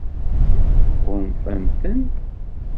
Tɣunfam-ten?